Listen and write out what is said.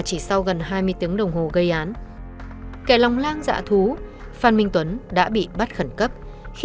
chỉ sau gần hai mươi tiếng đồng hồ gây án kẻ lòng lan dạ thú phan minh tuấn đã bị bắt khẩn cấp khi